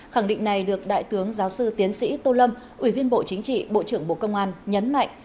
khẳng định này được đại tướng giáo sư tiến sĩ tô lâm ủy viên bộ chính trị bộ trưởng bộ công an nhấn mạnh